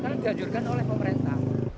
karena diajurkan oleh pemerintah